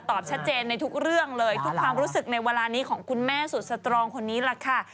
ชัดเจนในทุกเรื่องเลยทุกความรู้สึกในเวลานี้ของคุณแม่สุดสตรองคนนี้แหละค่ะ